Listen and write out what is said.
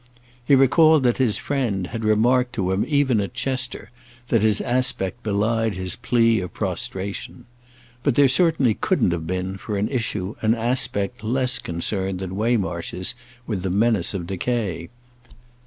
He recalled that his friend had remarked to him even at Chester that his aspect belied his plea of prostration; but there certainly couldn't have been, for an issue, an aspect less concerned than Waymarsh's with the menace of decay.